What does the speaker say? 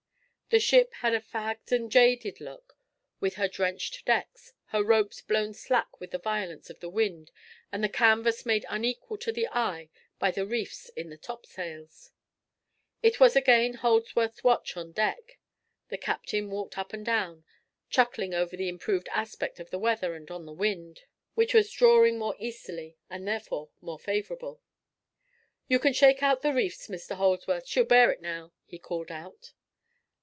The ship had a fagged and jaded look with her drenched decks, her ropes blown slack with the violence of the wind, and the canvas made unequal to the eye by the reefs in the topsails. It was again Holdsworth's watch on deck. The captain walked up and down, chuckling over the improved aspect of the weather and on the wind, which was drawing more easterly, and therefore more favorable. "You can shake out the reefs, Mr. Holdsworth. She'll bear it now," he called out.